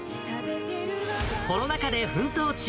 コロナ禍で奮闘中！